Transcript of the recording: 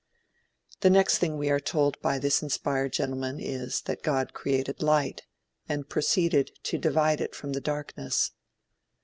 The next thing we are told by this inspired gentleman is, that God created light, and proceeded to divide it from the darkness.